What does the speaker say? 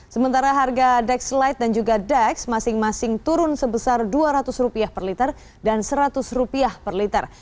sementara harga dex light dan juga dex masing masing turun sebesar rp dua ratus per liter dan rp seratus per liter